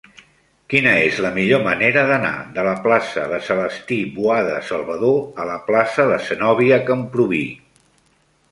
Quina és la millor manera d'anar de la plaça de Celestí Boada Salvador a la plaça de Zenòbia Camprubí?